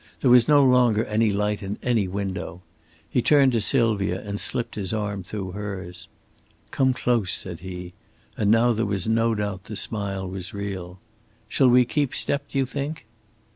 There was no longer any light in any window. He turned to Sylvia and slipped his arm through hers. "Come close," said he, and now there was no doubt the smile was real. "Shall we keep step, do you think?"